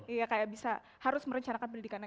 iya kayak bisa harus merencanakan pendidikannya